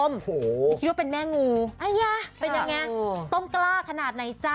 คิดว่าเป็นแม่งูเป็นยังไงต้องกล้าขนาดไหนจ๊ะ